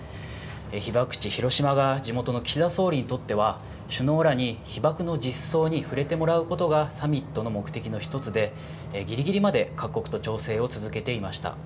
被爆地、広島が地元の岸田総理にとっては、首脳らに被爆の実相に触れてもらうことがサミットの目的の１つで、ぎりぎりまで各国と調整を続けていました。